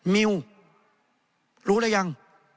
มิวรู้รึยัง